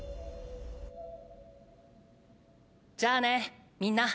じゃあねみんな。